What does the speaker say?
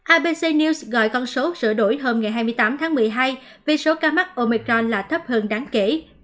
abc news gọi con số sửa đổi hôm ngày hai mươi tám tháng một mươi hai vì số ca mắc omicron là thấp hơn đáng kể